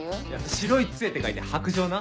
「白い杖」って書いて「白杖」な。